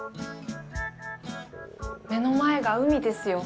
目の前が海ですよ。